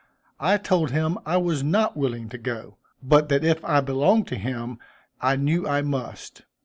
I told him I was not willing to go; but that if I belonged to him I knew I must.